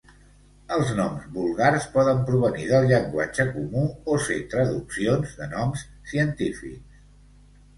Els noms vulgars poden provenir del llenguatge comú o ser traduccions de noms científics.